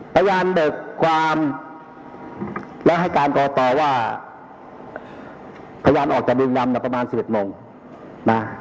พยานบอกความและให้การก่อต่อว่าพยานออกจากบุรีลำประมาณสิบเอ็ดโมงนะ